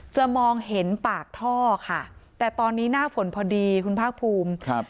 มองเห็นปากท่อค่ะแต่ตอนนี้หน้าฝนพอดีคุณภาคภูมิครับ